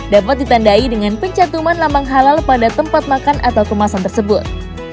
dapat ditandai dengan pencatuman lambang halal pada tempat makan atau kemasan tersebut